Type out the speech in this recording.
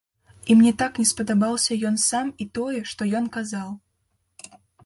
І мне так не спадабаўся ён сам і тое, што ён казаў.